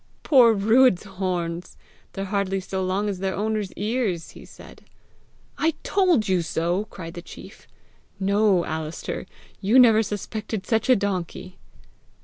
"Poor Ruadh's horns! they're hardly so long as their owner's ears!" he said. "I told you so!" cried the chief. "No, Alister! You never suspected such a donkey!"